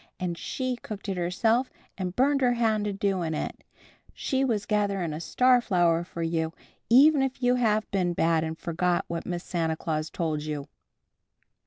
And She cooked it herself and burned her hand a doing it. She was gathering a star flower for you, even if you have been bad and forgot what Miss Santa Claus told you!"